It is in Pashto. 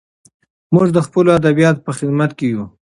موږ د خپلو ادیبانو په خدمت کې یو.